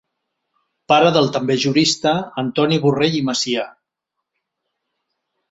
Pare del també jurista Antoni Borrell i Macià.